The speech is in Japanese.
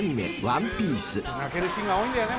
『ワンピース』］